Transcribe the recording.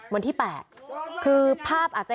โดนฟันเละเลย